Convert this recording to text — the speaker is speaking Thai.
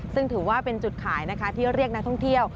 ซึ่งถือว่าเป็นจุดขายนะคะที่เรียกนักท่องเที่ยว